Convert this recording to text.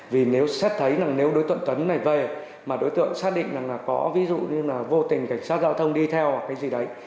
vì nếu xét thấy nếu đối tượng tuấn này về mà đối tượng xác định là có ví dụ như là vô tình cảnh sát giao thông đi theo cái gì đấy